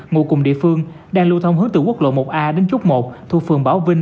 ngụ cùng địa phương đang lưu thông hướng từ quốc lộ một a đến chốt một thuộc phường bảo vinh